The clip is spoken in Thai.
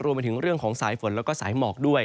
รวมถึงสายฝนและสายหมอกด้วย